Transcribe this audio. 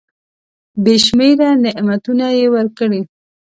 بي شمیره نعمتونه یې ورکړي .